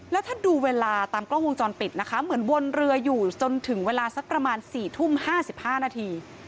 แล้วถ้าดูเวลาตามกล้องวงจรปิดนะคะเหมือนวนเรืออยู่จนถึงเวลาสักประมาณ๔ทุ่ม๕๕นาที